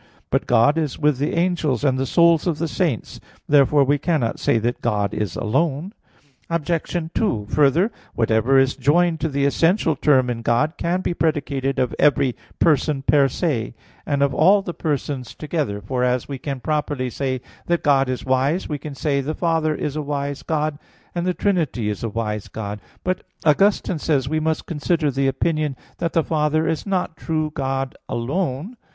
But God is with the angels and the souls of the saints. Therefore we cannot say that God is alone. Obj. 2: Further, whatever is joined to the essential term in God can be predicated of every person per se, and of all the persons together; for, as we can properly say that God is wise, we can say the Father is a wise God; and the Trinity is a wise God. But Augustine says (De Trin. vi, 9): "We must consider the opinion that the Father is not true God alone."